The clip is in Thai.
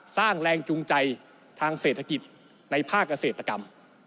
สร้างแรงจูงใจทางเศรษฐกิจในภาคเกษตรกรรม